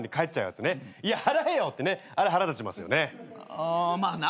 ああまあな。